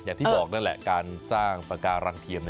อย่างที่บอกนั่นแหละการสร้างปากการังเทียม